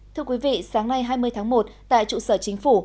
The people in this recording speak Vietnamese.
thưa quý vị sáng nay hai mươi tháng một tại trụ sở chính phủ